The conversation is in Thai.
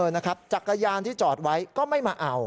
นะครับจักรยานที่จอดไว้ก็ไม่มาเอา